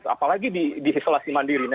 apalagi di isolasi mandiri